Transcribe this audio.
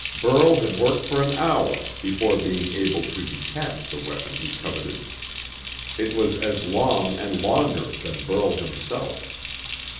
Burl had worked for an hour before being able to detach the weapon he coveted. It was as long and longer than Burl himself.